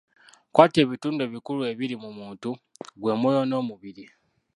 Kwata ebitundu ebikulu ebiri mu muntu, gwe mwoyo n'omubiri.